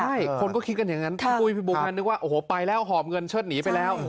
ใช่คนก็คิดกันอย่างงั้นพอพูดที่กว่าเข้าไปแล้วหอบเงินเชิดหนีไปแล้ว